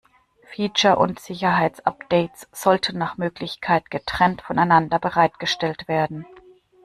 Feature- und Sicherheitsupdates sollten nach Möglichkeit getrennt voneinander bereitgestellt werden.